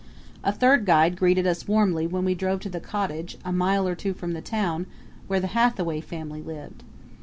A third guide greeted us warmly when we drove to the cottage, a mile or two from the town, where the Hathaway family lived.